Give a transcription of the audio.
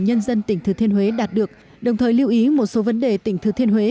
nhân dân tỉnh thừa thiên huế đạt được đồng thời lưu ý một số vấn đề tỉnh thừa thiên huế